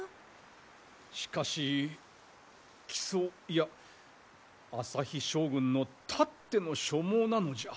しかし木曽いや朝日将軍のたっての所望なのじゃ。